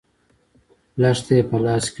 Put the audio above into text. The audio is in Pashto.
لښته يې په لاس کې وه.